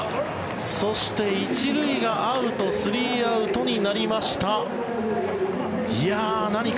そして、１塁がアウト３アウトになりました。